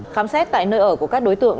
khám xét tại nơi ở của các đối tượng